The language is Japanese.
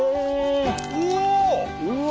うわ！